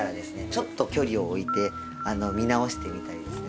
ちょっと距離を置いて見直してみたりですね